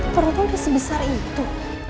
perutnya udah sebesar itu